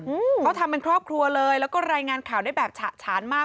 อืมเขาทำเป็นครอบครัวเลยแล้วก็รายงานข่าวได้แบบฉะฉานมาก